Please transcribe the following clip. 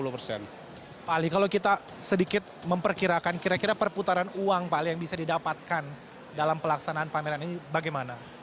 pak ali kalau kita sedikit memperkirakan kira kira perputaran uang pak ali yang bisa didapatkan dalam pelaksanaan pameran ini bagaimana